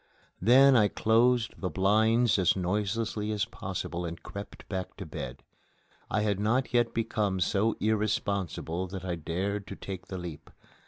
Then I closed the blinds as noiselessly as possible and crept back to bed: I had not yet become so irresponsible that I dared to take the leap.